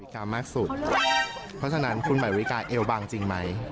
เพราะฉะนั้นคุณหมายวิกาเอวบางจริงไหม